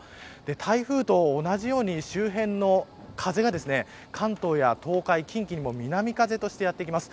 台風と同じように周辺の風が関東や東海、近畿にも南風としてやってきます。